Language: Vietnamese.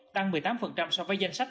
tăng một mươi tám so với danh sách